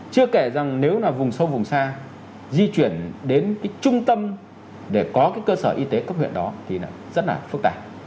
chưa kể rằng nếu là vùng sâu vùng xa di chuyển đến cái trung tâm để có cái cơ sở y tế cấp huyện đó thì rất là phức tạp